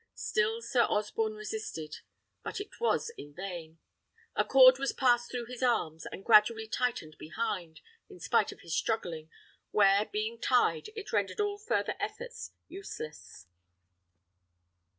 Still Sir Osborne resisted, but it was in vain. A cord was passed through his arms, and gradually tightened behind, in spite of his struggling, where, being tied, it rendered all further efforts useless.